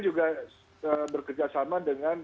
juga bekerjasama dengan